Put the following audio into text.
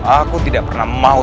aku tidak pernah mau